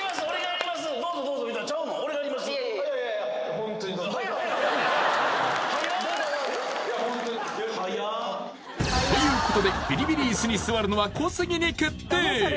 いやいや早い早い早いということでビリビリ椅子に座るのは小杉に決定！